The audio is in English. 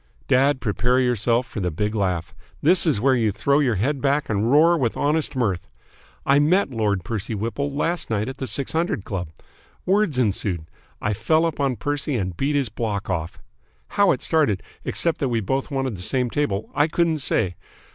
"Dad, prepare yourself for the big laugh. This is where you throw your head back and roar with honest mirth. I met Lord Percy Whipple last night at the Six Hundred Club. Words ensued. I fell upon Percy and beat his block off! How it started, except that we both wanted the same table, I couldn't say.